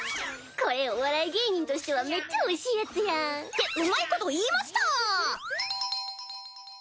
これお笑い芸人としてはめっちゃおいしいやつやん。ってうまいこと言いました！